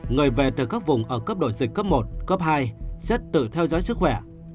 người về từ các vùng ở cấp độ dịch cấp một cấp hai rất tự theo dõi sức khỏe